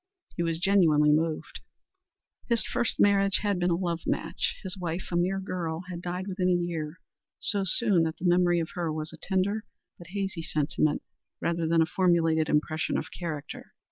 He was genuinely moved. His first marriage had been a love match. His wife a mere girl had died within a year; so soon that the memory of her was a tender but hazy sentiment rather than a formulated impression of character.